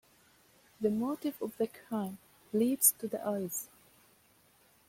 The motive of the crime leaps to the eyes.